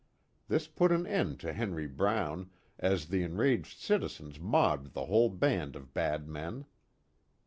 This put an end to Henry Brown, as the enraged citizens mobbed the whole band of "bad men."